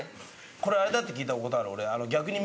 これあれだって聞いたことある俺。